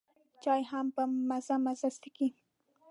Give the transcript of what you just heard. چای هم په مزه مزه څښي.